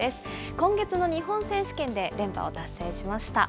今月の日本選手権で連覇を達成しました。